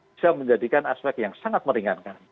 bisa menjadikan aspek yang sangat meringankan